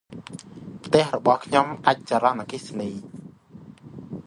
ផ្ទះរបស់ខ្ញុំដាច់ចរន្តអគ្គិសនី ។